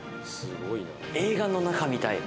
映画の中みたい。